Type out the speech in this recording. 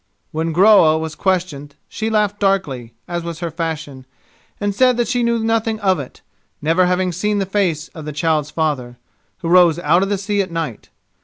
When Groa was questioned she laughed darkly, as was her fashion, and said that she knew nothing of it, never having seen the face of the child's father, who rose out of the sea at night.